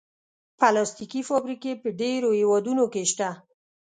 پلاستيکي فابریکې په ډېرو هېوادونو کې شته.